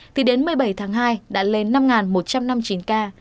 thì đến một mươi bảy tháng hai đã lên năm một trăm năm mươi chín ca